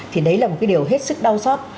thì đấy là một cái điều hết sức đau xót